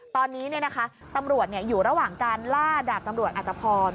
ตอนนี้ตำรวจอยู่ระหว่างการล่าดาบตำรวจอัตภพร